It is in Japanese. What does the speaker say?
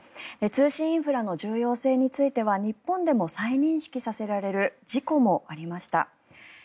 通信インフラの重要性については日本でも再認識させられる事故もありました。